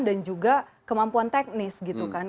dan juga kemampuan teknis gitu kan